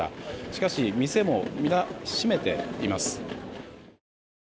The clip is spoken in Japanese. しかし店も皆、閉めています。